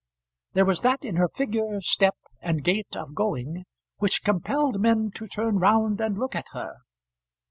There was that in her figure, step, and gait of going which compelled men to turn round and look at her.